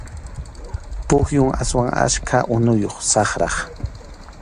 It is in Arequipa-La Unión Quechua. Pukyum aswan achka unuyuq, saqrap.